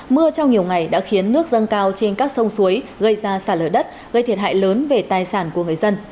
mưa trong nhiều ngày đã khiến nước dâng cao trên các sông suối gây ra sạt lở đất gây thiệt hại lớn về tài sản của người dân